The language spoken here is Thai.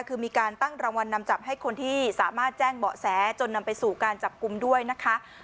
คือมีการตั้งรางวัลนำจับให้คนที่สามารถแจ้งเบาะแสจนนำไปสู่การจับกลุ่มด้วยนะคะ